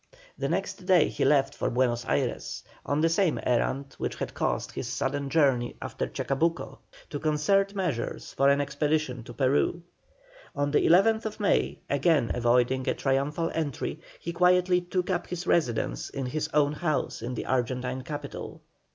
The next day he left for Buenos Ayres, on the same errand which had caused his sudden journey after Chacabuco, to concert measures for an expedition to Peru. On the 11th May, again avoiding a triumphal entry, he quietly took up his residence in his own house in the Argentine capital.